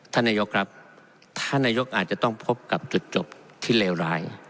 ท่านนายกครับท่านนายกอาจจะต้องพบกับจุดจบที่เลวร้าย